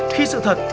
khi sự thật